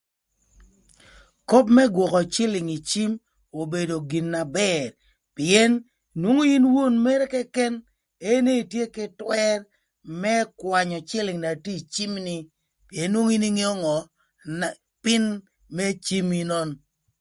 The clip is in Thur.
Köp më gwökö cïlïng ï cim obedo gin na bër pïën nwongo in won mërë këkën ënë itye kï twër më kwanyö cïlïng na tye ï cimni pïën nwongo in ingeo ngö na pïn më cimni nön.